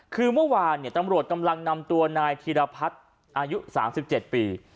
คือเมื่อวานตำรวจกำลังนำตัวนายธีรพัฒน์อายุ๓๗ปี